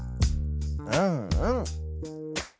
うんうん。